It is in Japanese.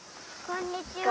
こんにちは。